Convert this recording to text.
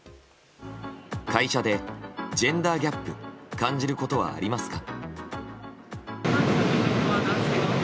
会社でジェンダーギャップ感じることはありますか？